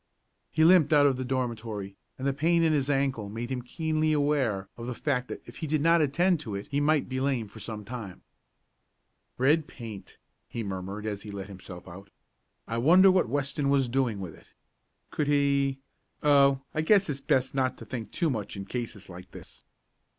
He limped out of the dormitory, and the pain in his ankle made him keenly aware of the fact that if he did not attend to it he might be lame for some time. "Red paint," he murmured as he let himself out. "I wonder what Weston was doing with it? Could he Oh, I guess it's best not to think too much in cases like this."